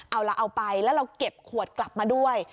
เอาละเอาไปแล้วเราเก็บขวดกลับมาด้วย